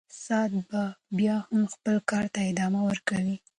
ساعت به بیا هم خپل کار ته ادامه ورکوي.